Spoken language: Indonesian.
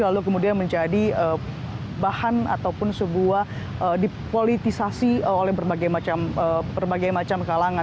lalu kemudian menjadi bahan ataupun sebuah dipolitisasi oleh berbagai macam kalangan